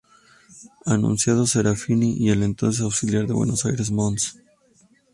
Anunciado Serafini y el entonces Auxiliar de Buenos Aires, Mons.